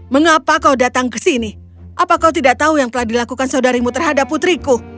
mengapa kau datang ke sini apa kau tidak tahu yang telah dilakukan saudarimu terhadap putriku